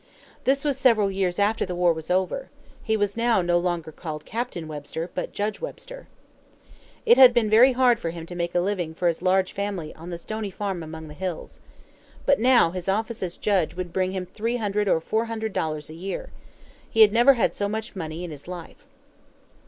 This was several years after the war was over. He was now no longer called Captain Webster, but Judge Webster. It had been very hard for him to make a living for his large family on the stony farm among the hills. But now his office as judge would bring him three hundred or four hundred dollars a year. He had never had so much money in his life.